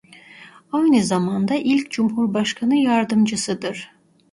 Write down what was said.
Aynı zaman da ilk Cumhurbaşkanı yardımcısıdır.